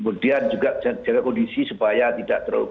kemudian juga jaga kondisi supaya tidak terlalu